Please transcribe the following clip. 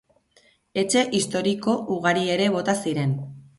Etxe historiko ugari ere bota ziren.